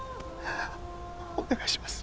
お願いします